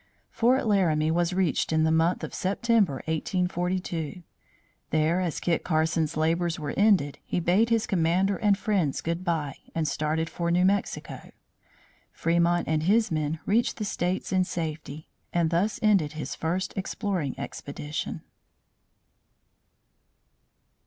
Fort Laramie was reached in the month of September 1842. There as Kit Carson's labors were ended, he bade his commander and friends goodbye and started for New Mexico. Fremont and his men reached the states in safety and thus ended his first exploring expedition.